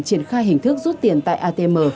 triển khai hình thức rút tiền tại atm